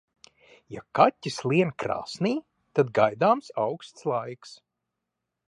Ja kaķis lien krāsnī, tad gaidāms auksts laiks.